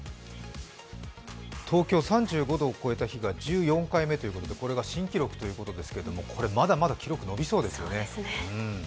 東京３５度を超えた日が１４回目ということで、これが新記録ということですがまだまだ記録伸びそうですね。